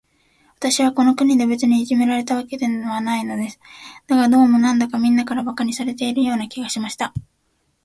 私はこの国で、別にいじめられたわけではないのです。だが、どうも、なんだか、みんなから馬鹿にされているような気がしました。